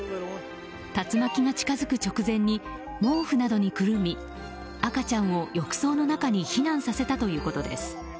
竜巻が近づく直前に毛布などにくるみ赤ちゃんを浴槽の中に避難させたということです。